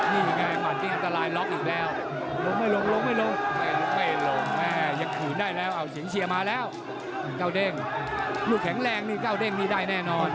นี่ไงหมัดนี้อัตรายล็อกอยู่แล้วลงไม่ลงจากลุกแข็งแรงก้าวเด้งนี่ได้แน่นอน